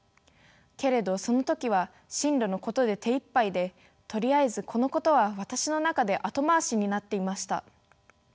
けれどその時は進路のことで手いっぱいでとりあえずこのことは私の中で後回しになっていました。